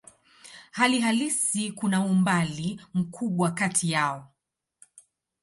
Hali halisi kuna umbali mkubwa kati yao.